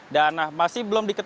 dan masih belum dilakukan